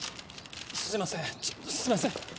すいませんすいません。